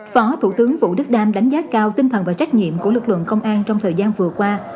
phó thủ tướng vũ đức đam đánh giá cao tinh thần và trách nhiệm của lực lượng công an trong thời gian vừa qua